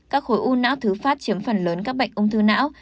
các khối u não thứ phát chiếm phần lớn các bệnh ung thư não